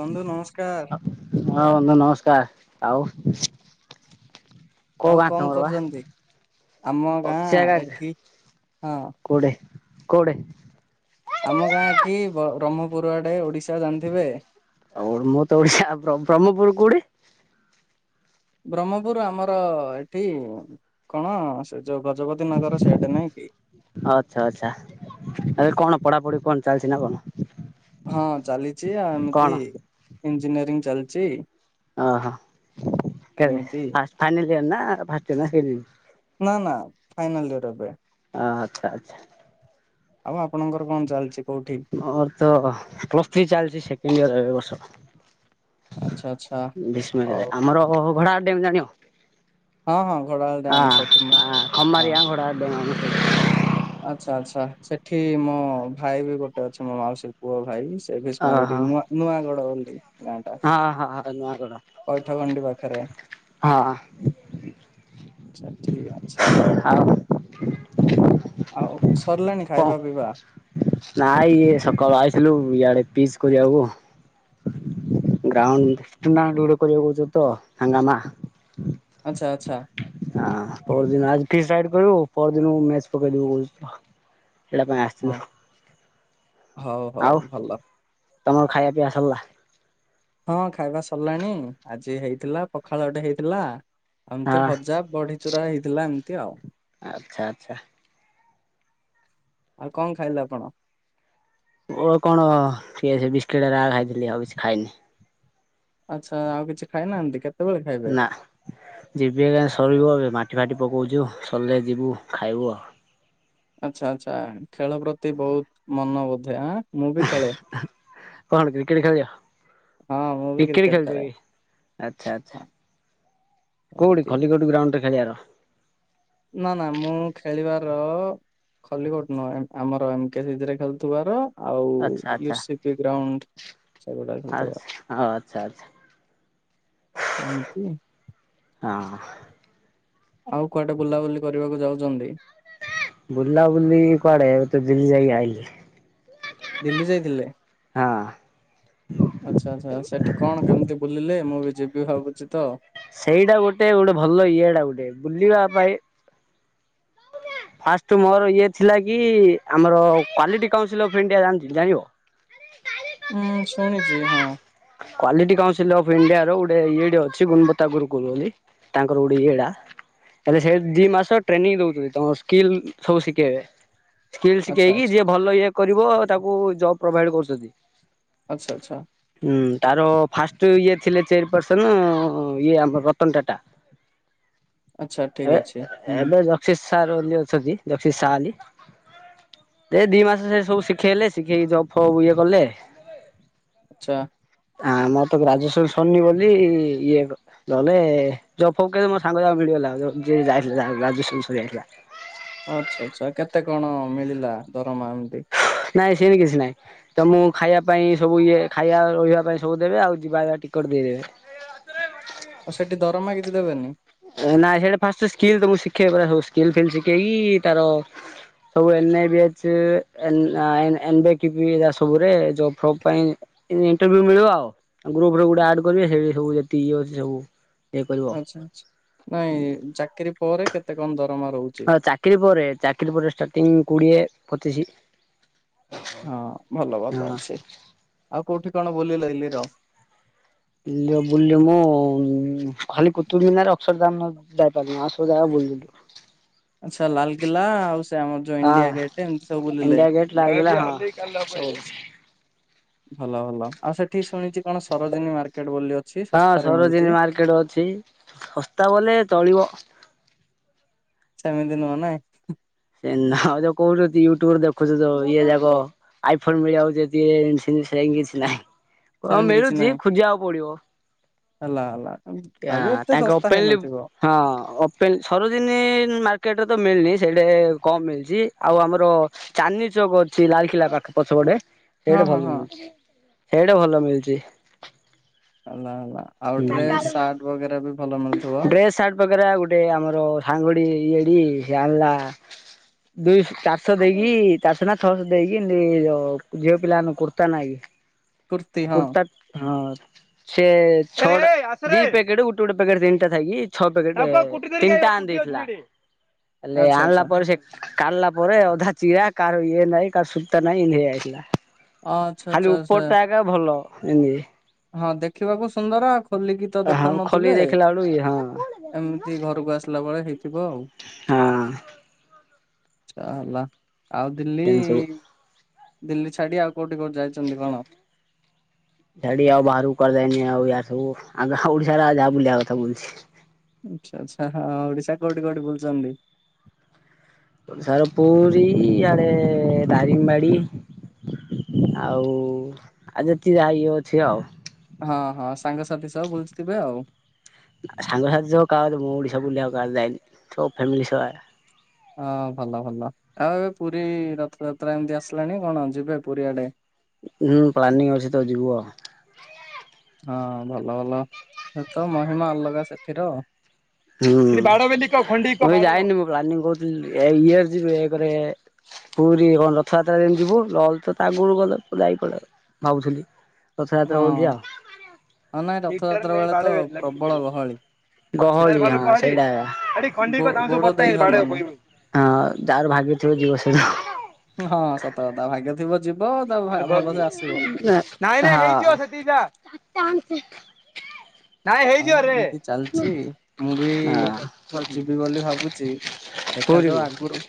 ବନ୍ଧୁ ନମସ୍କାର୍। ହଁ ବନ୍ଧୁ ନମସ୍କାର, ଆଉ? କୋଉ ଆଉ ଗାଁ କଁ ତମର ବା କରୁଚନ୍ତି ଆମ ଗାଁ ଏଠି ହଁ। କୋଉଟେ କୋଉଟେ? ଆମ ଗାଁ ଏଠି ବ୍ରହ୍ମପୁର ଆଡେ, ଓଡିଶା ଜାଣିଥିବେ? ଆଉ ମୁଁ ତ ଓଡିଶା, ବ୍ରହ୍ମପୁର କୋଉଟି? ବ୍ରହ୍ମପୁର ଆମର ଏଠି କଣ ସେ ଯୋଉ ଗଜପତି ନଗର ସେଇଟି ନାଇଁ କି? ଆଚ୍ଛା ଆଚ୍ଛା ଏ କଣ ପଢ଼ାପଢ଼ି କଣ ଚାଲିଛି ନା କଣ? ହଁ ଚାଲିଚି ଆ କଣ ଏମିତି ଇଞ୍ଜିନିୟରିଂ ଚାଲିଚି। ଓହୋ କେ ଫା ଫାଇନାଲୟର ନା ଫାଷ୍ଟ ୟର ନା ସେକେଣ୍ଡ ୟର? ନା ନା ଫାଇନାଲ ୟର ଏବେ। ଅ ଆଚ୍ଛା ଆଚ୍ଛା। ଆଉ ଆପଣଙ୍କର କଣ ଚାଲିଛି କୋଉଠି? ମୋର ତ ପ୍ଲସ୍ ଥ୍ରୀ ଚାଲିଛି ସେକେଣ୍ଡ ଇୟର ଏବେ ବର୍ଷ। ଆଚ୍ଛା ଆଚ୍ଛା ବିଷ୍ମ ହଉ। ଆମର ଅ ଘୋଡଳ ଡ୍ୟାମ ଜାଣିବ। ହଁ ହଁ ଘୋଡ଼ାଳ ଡ୍ୟାମ ସେଠି ମୁଁ ହଁ ହଁ। ଖମାରିଆ ଘୋଡ଼ା ଡ୍ୟାମ୍ ଆଚ୍ଛା ଆଚ୍ଛା ସେଠି ମୋ ଭାଇ ବି ଗୋଟେ ଅଛି, ମୋ ମାଉସି ପୁଅ ଭାଇ ସେ ଭୀଷ୍ମ ଗିରି ଓହୋ ନୂଆ ନୂଆ ଗଡ ବୋଲି ଗାଁ ଟା। ହଁ ହଁ ନୂଆ ଗଡ। ପୈଠଗଣ୍ଡି ପାଖରେ। ହଁ। ଛା ଠିକ ଅଛା ହଉ ଆଉ ଆଉ ସରିଲାଣି କଣ ଖାଇବା ପିଇବା? ନାଇଁ ଇଏ ସକାଳୁ ଆଇଥିଲୁ ଇଆଡେ ପିସ କରିବାକୁ। ଗ୍ରାଉଣ୍ଡ କରିବାକୁହୁଛ ତ ହଙ୍ଗାମା। ଆଚ୍ଛା ଆଚ୍ଛା। ହଁ ପର ଦିନ ଆ ସାଇଟ୍ କରିବୁ ପର୍ ଦିନକୁ ମେଚ ପକେଇ ଦବୁ କହୁଚୁ ସେଟା ଆସ ହଁ ହଉ ହଉ ଆଉ ଭଲ ତମର ଖାଇବା ପିଇବା ସରିଲା? ହଁ ଖାଇବା ସରିଲାଣି, ଆଜି ହେଇଥିଲା ପଖାଳ ଟେ ହେଇଥିଲା। ଆ ଏମତି ହଁ ଭଜା ବଢି ଚୁରା ହେଇଥିଲା ଏମିତି ଆଉ। ଆଚ୍ଛା ଆଚ୍ଛା ଆଉ କଣ ଖାଇଲେ ଆପଣ? ଓ କଣ ସେ ବିସ୍କିଟ ରା ଖାଇଥିଲି ଆଉ କିଛି ଖାଇନି। ଆଚ୍ଛା ଆଉ କିଛି ଖାଇନାହାନ୍ତି, କେତେ ନା ଯିବି ଏକା ସରିବ ଏ ମାଟି ଫାଟି ପକଉଛୁ ସରିଲେ ଯିବୁ ଖାଇବୁ ଆଉ। ଆଚ୍ଛା ଆଚ୍ଛା ଖେଳ ପ୍ରତି ବହୁତ ମନ ବୋଧେ ଆଁ? ମୁଁ ବି ଖେଳେ କଣ କ୍ରିକେଟ ଖେଳିବ? ହଁ ମୁଁ ବି କ୍ରିକେଟ ଖେଳୁଛ ଖେଳେ କି, ଆଛା ଆଛା। କୋଉଠି ଏମିତି କଲିକୋଡି ଗ୍ରାଉଣ୍ଡ ରେ ଖେଳିଆ ର। ନା ନା ମୁଁ ଖେଳିବାର ଖଲି କଟୁ ନୁହଁ ଆମର ଏମ କେ ସିରେ ଖେଳୁଥିବାର ଆଉ ୟୁସିପି ଗ୍ରାଉଣ୍ଡ। ସେଗୁଡା ଆଛା ଖେଳୁଥିବାର ଓ ଆଚ୍ଛା ଆଚ୍ଛା। ଏମିତି। ହଁ। ଆଉ କୁଆଡେ ବୁଲାବୁଲି କରିବାକୁ ଯାଉଛନ୍ତି? ବୁଲା ବୁଲି କୁଆଡେ ଏବେ ତ ଦିଲ୍ଲୀ ଯାଇକି ଆଇଲି। ଦିଲ୍ଲୀ ଯାଇଥିଲେ, ହଁ ଆଛା ଆଛା ସେଠି କଣ କେମିତି? ବୁଲିଲେ ମୁଁ ବି ଯିବି ଭାବୁଛି ତ। ସେଇଟା ଗୋଟେ ଗୋଟେ ଭଲ ଇଏ ଟା ଗୋଟେ ବୁଲିବା ପାଇଁ ଫାଷ୍ଟ ମୋର ଇଏ ଥିଲା କି, ଆମର କ୍ୱାଲିଟି କାଉନ୍ସିଲ୍ ଅଫ୍ ଇଣ୍ଡିଆ ଜାଣି ଜାଣିବ? ହୁଁ ଶୁଣିଛି, ହଁ। କ୍ୱାଲିଟି କାଉନସିଲ ଅଫ୍ ଇଣ୍ଡିଆ ର ଗୋଟେ ଇଏ ଟେ ଅଛି, ଗୁଣବତା ଗୁରୁ କହୁଛନ୍ତି। ତାଙ୍କର ଗୋଟେ ୟେ ଟା। ତାଲେ ସେ ଦି ମାସ ଟ୍ରେନିଂ ଦଉଛନ୍ତି, ତମର ସ୍କିଲ୍ ସବୁ ଶିଖେଇବେ। ସ୍କିଲ୍ ଆଚ୍ଛା ଶିଖେଇକି ଆଚ୍ଛା ଯିଏ ଭଲ ଇଏ କରିବ, ତାକୁ ଜବ ପ୍ରୋଭାଇଡ କରୁଛନ୍ତି। ଆଚ୍ଛା ଆଚ୍ଛା। ଉଁ। ତାର ଫାଷ୍ଟ ଇଏ ଥିଲେ ଚେୟାରପର୍ସନ ଇଏ ଆମର ରତନ ଟାଟା। ଆଚ୍ଛା ଠିକ ଅଛି ଏବେ ହୁଁ ଏବେ ଯକସି ସାର୍ ବୋଲି ଅଛନ୍ତି, ଜକସି ସା ଅଲି। ଏ ଦି ମାସ ସେ ସବୁ ଶିଖେଇଲେ। ଶିଖେଇକି ଜବ୍ ଫବ୍ ଇଏ କଲେ। ଚ୍ଛା। ଆଁ ମର ତ ଗ୍ରାଜୁଏସନ୍ ସରନି ବୋଲି ଇଏ ନହଲେ ଯବ ଫବ ମୋ ସାଙ୍ଗ ଯାକୁ ମିଳିଗଲା। ଯିଏ ଯାଇଥିଲା ଗ୍ରାଜୁଏସନ୍ ସରିଯାଇଥିଲା। ଆଚ୍ଛା। ଆଚ୍ଛା। କେତେ କଣ ମିଳିଲା ଦରମା। ଏମତି ନାଇଁ ସେମତି କିଛି ନାଇଁ। ତମୁଁକୁ ଖାଇବା ପାଇଁ ସବୁ ଇଏ ଖାଇବା ରହିବା ପାଇଁ ସବୁ ଦେବେ। ଆଉ ଯିବା ଟିକେଟ୍ ବି ଦେବେ। ଆଉ ସେଠି ଦରମା କିଛି ଦେବେନି? ନାଇଁ ସେଠି ଫାଷ୍ଟ ସ୍କିଲ୍ ତମକୁ ଶିଖେଇ ପରା ସବୁ ସ୍କିଲ୍ ଫିଲ୍ ଶିଖେଇକି ତାର ସବୁ ଏନଏବିଏଚ ଏମବିଏ ଏସବୁ ରେ ଜବ ଫବ ପାଇଁ ଇଣ୍ଟଭୁ ମିଳିବ ଆଉ ଗ୍ରୁପ ଗୋଟେ ଆଡ କରିବେ [unintelligible] ଆଚ୍ଛା। ଆଚ୍ଛା। ନାଇଁ ଚାକିରି ପରେ କେତେ କଣ ଦରମା ରହୁଛି? ଆଉ ଚାକିରି ପରେ ଚାକିରି ପରେ ଷ୍ଟାର୍ଟିଂ କୁଡ଼ିଏ ପଚିଶି। ହଁ ଭଲ ଭଲ ହଁ। ଅଛି। ଆଉ କୋଉଠି କଣ ବୁଲିଲ ଦିଲ୍ଲୀ ର। ଦିଲ୍ଲୀ ରେ ବୁଲିଲି ମୁଁ ଖାଲି କୁତୁ ମିନାର, ଅସର ଦା ଯାଇପାରିଲୁନି ଆଉ ସବୁ ଯାଗା ବୁଲିଲୁ। ଆଚ୍ଛା ଲାଲ୍ କିଲ୍ଲା ଆଉ ସେ ଆମର ଯୋଉ ହଁ ଇଣ୍ଡିଆ ଗେଟ୍ ଏମିତି ସବୁ ବୁଲିଲେ। ଇଣ୍ଡିଆ ଗେଟ୍ ଲାଗିଲା ହଁ ଭଲ। ଭଲ। ଆଉ ସେଠି ଶୁଣିଛି କଣ ସରୋଜିନୀ ମାର କେଟ୍ ବୋଲି ଅଛି। ହଁ ଶସ୍ତାରେ ମିଳୁଛି। ସରୋଜିନୀ ମାର୍କେଟ ଅଛି। ଶସ୍ତା ବୋଲେ ତଳିବ ସେମିତି ନୁହଁ ନାଇଁ [unintelligible] ଆଉ ଯୋଉ କହୁଛ ୟୁଟ୍ୟୁବରେ ଦେଖୁଛୁ ଯୋଉ ଇଏ ଯାକ ଆଇ ଫୋନ୍ ମିଳିବ ଯଦି ସେମିତି ସେ କିଛି ନାହିଁ। ହଁ ସେମିତି କିଛି ମିଳୁଛି ନାହିଁ। ଖୋଜିବାକୁ ପଡିବ। ହେଲା। ହେଲା। ହେଲେବି ଏତେ ତାଙ୍କ ଶସ୍ତା ଓପେନଲି ହେଇନଥିବ। ହଁ ଅପେଲ ସରୋଜିନି ମାର୍କେଟରେ ତ ମିଳିନି। ସେଇଟେ କମ ମିଳୁଛି ଆଉ ଆମର ଚନ୍ଦନି ଚୌକ ଅଛି। ଲାଲକିଲା ପାଖ ପଛପଟେ। ହଁ ସେଇଆଡ଼େ ହଁ ଭଲ ହଁ ମିଳୁଛି। ସେଇଆଡ଼େ ଭଲ ମିଳୁଛି। ହେଲା। ହେଲା। ଆଉ ଡ୍ରେସ୍, ସାର୍ଟ ବଗେରା ବି ଭଲ ମିଳୁଥିବ। ପ୍ରକାରା ଗୋଟେ ଆମର ସାଙ୍ଗଡି ଇଏଡି [unintelligible] ଦୁଇଶ, ଚାରିଶହ ଦେଇକି ଚାରିଶହ ନା ଛଅଶହ ଦେଇକି [unintelligible] ଝିଅ ପିଲା ମାନ କୁର୍ତ୍ତା ନାଇକି କୁର୍ତ୍ତି ହଁ କୁର୍ତା ହଁ ସେ ଛ ଦି ପ୍ୟାକେଟ ଗୋଟେ ଗୋଟେ ପ୍ୟାକେଟ ତିନିଟା ଥାଇକି ଛ ପ୍ୟାକେଟ ତିନିଟା ଆଣି ଦେଇଥିଲା। ହେଲେ ଆଚ୍ଛା ଆଣଲା ଆଚ୍ଛା ପରେ ସେ କାଢଲା ପରେ ଅଧା ଚିରା କାହାର ଇଏ ନାଇଁ କାହାର ସୂତା ନାଇଁ ଇନ୍ଧି ହେଇଯାଇଥିଲା। ଆଚ୍ଛା ଖାଲି ଆଚ୍ଛା ଆଚ୍ଛା ଉପର ଟା ଏକା ଭଲ ଏମିତି। ହଁ ଦେଖିବାକୁ ସୁନ୍ଦର ଆଉ ଖୋଲିକି ଆ ହଁ ଖୋଲିକି ଦେଖିଲା ବେଳୁକୁ ଇଏ ହଁ ଏମତି ଘରକୁ ଆସିଲା ବେଳେ ହେଇଥିବ ଆଉ। ହଁ। ଚା ହେଲା। ଆଉ ଦିଲ୍ଲୀ ଏମିତି ସବୁ। ଦିଲ୍ଲୀ ଛାଡ଼ି ଆଉ କୋଉଠି କୋଉଠି ଯାଇଛନ୍ତି କଣ? [inaudible] ଛାଡ଼ି ଆଉ ବାହାରକୁ କୁଆଡ଼େ ଯାଇନି ଆଉ ୟାଡେ ସବୁ ଆମ ଓଡ଼ିଶାରେ ଆଉ ଯାହା ବୁଲିବା କଥା ବୁଲିଛି। ଆଚ୍ଛା ଆଚ୍ଛା ହଁ ଓଡ଼ିଶା କୋଉଠି କୋଉଠି ବୁଲିଛନ୍ତି? ସାର ପୁରୀ ଆଡ଼େ ଦାରିଙ୍ଗବାଡ଼ି। ଆଉ ଯେତେ ଯାହା ଇଏ ଅଛି ଆଉ। ହଁ ହଁ ସାଙ୍ଗସାଥି ସବୁ ବୁଲଥିବେ ଆଉ। ସାଙ୍ଗସାଥି ସବୁ କାହା ମୁଁ ଓଡ଼ିଶା ବୁଲିବାକୁ କାହା ସହ ଯାଇନି ସବୁ ଫ୍ୟାମିଲି ସହ ହଁ ଭଲ ଭଲ ଆଉ ଏବେ ପୁରୀ ରଥଯାତ୍ରା ଏମିତି ଆସିଲାଣି କଣ ଯିବେ ପୁରୀ ଆଡ଼େ ହୁଁ ପ୍ଲାନିଂ ଅଛି ତ ଯିବୁ ଆଉ। ହଁ ଭଲ ଭଲ ସେ ତ ମହିମା ଅଲଗା ସେଥିର। ହୁଁ [unintelligible] ପୁରୀ କଣ ରଥଯାତ୍ରା ଯେମି ଯିବୁ ଲହ ତ ଆଗରୁ ଗଲେ ପ ଯାଇ କଲେ ଭାବୁଥିଲି। ରଥଯାତ୍ରା ବୁଲିଯିବା। ହଁ ନାଇଁ ରଥଯାତ୍ରା ବେଳେ ତ ପ୍ରବଳ ଗହଳି [unintelligible] ଗହଳି ସେଠି ଆଁ ସେଇଟା ଆବା ହିଁ ଗୋ ଗୋଡ ଦେଇ ହବନି। ଯାହାର ଭାଗ୍ୟ ଥିବ ଯିବସେ ହଁ ସତ କଥା ଭାଗ୍ୟ ଥିବ ଯିବ ତା ଭଲସେ ଆସିବ। [unintelligible] ହଁ ହେଇଯିବରେ। ଏମିତି ଚାଲିଛି ମୁଁ ବି ହଁ। ଯିବି ବୋଲି ଭାବୁଛି ଦେଖାଯାଉ ପୁରୀକୁ? ଆଗରୁ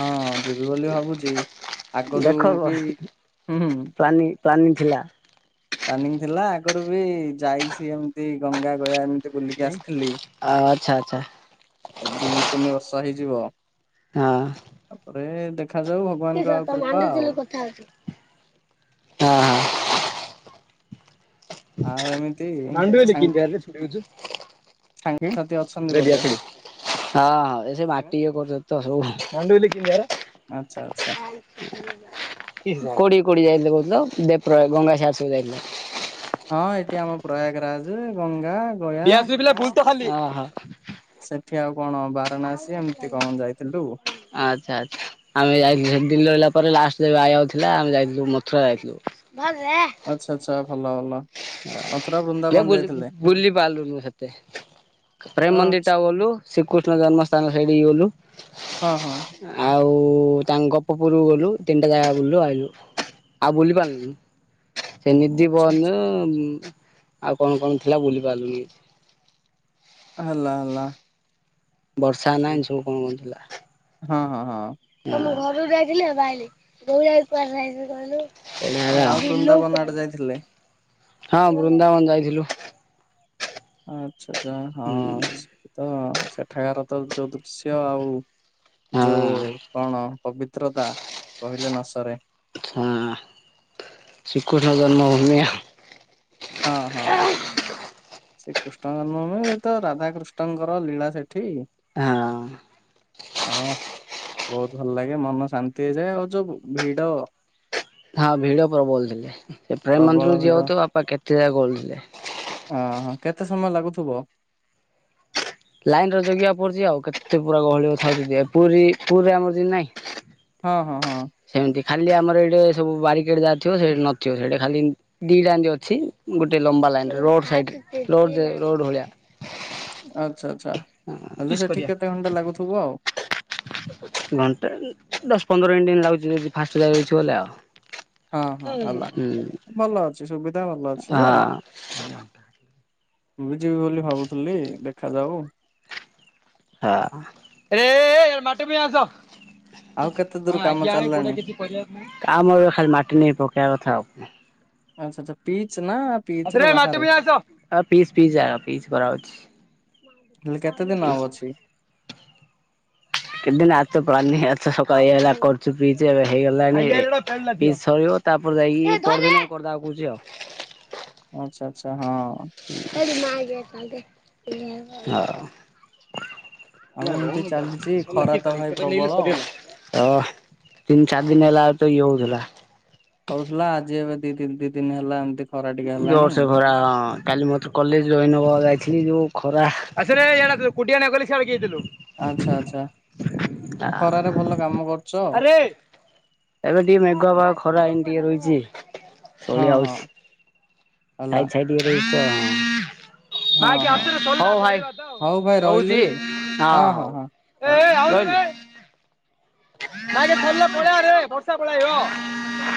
ହଁ ଯିବି ବୋଲି ଭାବୁଚି ଦେଖଗୋ ପ୍ଲାନିଂ ପ୍ଲାନିଂଗ ଥିଲା। ପ୍ଲାନିଂ ଥିଲା ଆଗରୁ ବି ଯାଇଛି ଏମତି ଗଙ୍ଗା ଗୟା ଏମତି ବୁଲିକି ଆସିଥିଲି ଆଚ୍ଛା ଆଚ୍ଛା ଦି ତିନି ବର୍ଷ ହେଇଯିବ। ହଁ। ତାପରେ ଦେଖାଯାଉ ଆଉ [unintelligible] ଭଗବାନଙ୍କ କୃପା ଆଉ ହଁ ହଁ ଆଉ ଏମିତି [unintelligible] ସାଙ୍ଗ ହଁ ହଁ ଏ ସାଙ୍ଗସାଥି ଅଛନ୍ତି ସେ ବୋଧେ ମାଟି ଇଏ କରୁଛନ୍ତି ତ ସବୁ ଆଚ୍ଛା ଆଚ୍ଛା। କୋଡି କୋଡି ଯାଇଥିଲେ କହୁଥିଲ ଦେବ ପ୍ରୟଗ [unintelligible] ଯାଇଥିଲେ। ହଁ ଏଠି ଆମ ପ୍ରୟାଗରାଜ ଗଙ୍ଗା ଗୟା ଓହୋ ସେଠି ଆଉ କଣ ବାରାଣାସୀ ଏମିତି କଣ ଯାଇଥିଲୁ। ଆଚ୍ଛା ଆଚ୍ଛା ଆମେ ଯାଇଥିଲୁ ସେ ଦିଲ୍ଲୀ ରହିଲା ପରେ ଲାଷ୍ଟ [unintelligible] ଥିଲା ଆମେ ଯାଇଥିଲୁ ମଥୁର ଯାଇଥିଲୁ। [unintelligible] ଆଚ୍ଛା ଆଚ୍ଛା ଭଲ ଭଲ। ମଥୁରା କେ ବୃନ୍ଦାବନ ବୁଲି ଯାଇଥିଲେ ବୁଲିପାରିଲିନୁ ସେତେ ପ୍ରେମ ମନ୍ଦିରଟା ଆଛା ଗଲୁ ଶ୍ରୀକୃଷ୍ଣ ଜନ୍ମସ୍ଥାନ ସେଇଠିକୁ ଗଲୁ। ହଁ ହଁ ଆଉ ତାଙ୍କ ଗୋପପୁୁରକୁ ଗଲୁ ତିନଟା ଜାଗା ବୁଲିଲୁ ଆଇଲୁ। ଆଉ ବୁଲି ପାରିଲିନୁ। ଏମିତି ଆଛା ବନ ଆଛା ଆଉ କଣ କଣ ଥିଲା ବୁଲି ପାରିଲୁନି। ହାଲା ହାଲା। ବର୍ଷା ନାହିଁ ଏମିତ ସବୁ କଣ କଣ ଥିଲା। ହଁ ହଁ ହଁ ଆମ ଘରରୁ ଯାଇଥିଲି ବାବା ଆଇଲି [unintelligible] କୁଆଡ ଯାଇଥିଲୁ ଆଉ ବୃନ୍ଦାବନ ଆଡେ ଯାଇଥିଲେ କହିଲୁ? ହଁ ବୃନ୍ଦାବନ ଯାଇଥିଲୁ। ଆଚ୍ଛା ଆଚ୍ଛା ହଁ ହୁଁ ସେତ ସେଠାକାର ତ ଯୋଉ ଦୃଶ୍ୟ ଆଉ ହଁ। ଯୋଉ କଣ ପବିତ୍ରତା କହିଲେ ନ ସରେ। ହଁ। ଶ୍ରୀକୃଷ୍ଣ ଜନ୍ମଭୂମି। ହଁ ହଁ। ଶ୍ରୀକୃଷ୍ଣ ଜନ୍ମଭୂମି ସେତ ରାଧାକୃଷ୍ଣଙ୍କର ଲୀଳା ସେଠି ଆହଁ ଆଉ ବହୁତ ଭଲ ଲାଗେ ମନ ଶାନ୍ତି ହେଇଯାଏ ଆଉ ଯୋଉ ଭିଡ ହଁ ଭିଡ ପ୍ରବଲ ବୋଲଥିଲେ ସେ ପ୍ରେମ ପ୍ରବଳ ମନ୍ଦିରକୁ ଭିଡ ଯିବା [unintelligible] ଅହଂ କେତେ ସମୟ ଲାଗୁଥିବ? ଲାଇନ୍ ଜ- ଜଗିବା ପଡୁଚି ଆଉ କେତେ ପୁରା ଗହଳି ଥାଉଚି ଯେ, ପୁରୀ ପୁରୀରେ ଆମର ଯେମିତି ନାହିଁ ହଁ ହଁ ହଁ। ସେମିତି ଖାଲି ଆମର ଏଇଟେ ସବୁ ବାରିକେଡ ଯା ଥିବ ସେଠି ନଥିବ ସେଠ ଖାଲି ଦିଟା ଅଛି ଗୋଟେ ଲମ୍ବା ଲାଇନରେ ରୋଡ ସାଇଡରେ ରୋଡଦେ ରୋଡ ଭଳିଆ। ଆଚ୍ଛା ଆଚ୍ଛା ହେଲେ ପିସ୍ କରିବା। ସେଠିକି କେତେ ଘଣ୍ଟା ଲାଗୁଥିବ ଆଉ। ଘଣ୍ଟା ଦଶ ପନ୍ଦର ମିନଟ ଲାଗୁଛି ଯଦି ଫାଷ୍ଟ ଲାଗୁଛି ବୋଲି ଆଉ ହଁ ହୁଁ। ଭଲ ଅଛି ସୁବିଧା ଭଲ ଅଛି ଯେ ହଁ ମୁଁ ବି ଯିବି ବୋଲି ଭାବୁଥିଲି ଦେଖାାଯାଉ। [unintelligible] ଆଉ [unintelligible] କେତେ ଦୂର କାମ ଖାଲି ଚାଲିଲାଣି? ମାଟି ନେଇ ପକେଇବା କଥା ଆଉ। ଆଚ୍ଛା ଆଛା ପିଚ ନା ଆ ର ପିଚ୍ ବାହାରେ ପିଚ୍ ଆ ପିଚ୍ ହେଲେ କେତେ ଦିନ କରାଉଛି। ଆଉ ଅଛି? [unintelligible] ତାପରେ ଯାଇକି ପରଦିନ କରିଦବା କହୁଛି ଆଉ। ଆଛା ଆଚ୍ଛା ହଁ। [unintelligible] [unintelligible] ଅ ତିନି ଆଉ ଚାରି ଏମିତି ଚାଲିଛି ଦିନ ଖରା ତ ଭାଇ ହେଲା ପ୍ରବଳ। ଆଉ ତ ଇଏ ହଉଥିଲା। ହଉଥିଲା ଆଜି ଏବେ ଦି ଦ ଦି ଦିନ ହେଲା ଏମିତି ଖରା ଟିକେ ହେଲାଣି ଜୋରୋସେ ଖରା ହଁ କାଲି ମତ୍ଉ କଲେଜ ଜଇନ୍ ହବାକୁ ଯାଇଥିଲି ଯୋଉ ଖରା। ଆଚ୍ଛା ଆଚ୍ଛା ଆ ଖରାରେ ଭଲ କାମ କରୁଚ। ଏବେ ଟିକେ ମେଘୁଆ ପାଗ ଖରା ଏଇନ ଟିକେ ରହିଛି ହଁ ତଳିଆ ହଁ ହଉଚି। ହେଲା। ଛାଇ ଛାଇ ଟିକେ ରହିଚି ତ ହଁ ହଁ ହଉ ଭାଇ ହଉ ଭାଇ ରହିଲି ରହୁଛି ହଁ ହଉ। [unintelligible] ! ! ! ! ! ! ! ! ! !